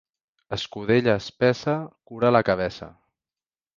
Escudella espessa cura la cabeça.